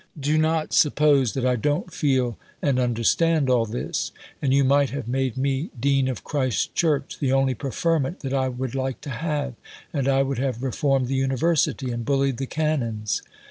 Do not suppose that I don't feel and understand all this. (And you might have made me Dean of Christ Church: the only preferment that I would like to have, and I would have reformed the University and bullied the Canons.)